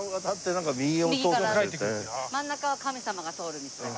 真ん中は神様が通る道だから。